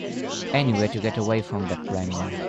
Anywhere to get away from that wrangling.